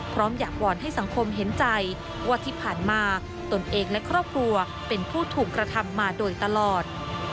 พร้อมอยากวอนให้สังคมเห็นใจว่าที่ผ่านมาตนเองและครอบครัวเป็นผู้ถูกกระทำมาโดยตลอด